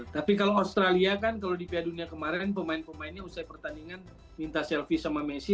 tapi kalau australia kan kalau di piala dunia kemarin pemain pemainnya usai pertandingan minta selfie sama messi